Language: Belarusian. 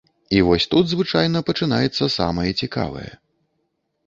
І вось тут звычайна пачынаецца самае цікавае.